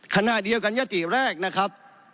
ขณะเดียวกันยติแรกนะครับ